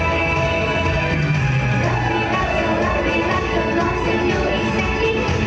รักไม่รักจะรักไม่รักก็รอเสียงอยู่อีกเสียงนิด